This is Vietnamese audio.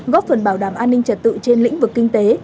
góp phần bảo đảm an ninh trật tự trên lĩnh vực kinh tế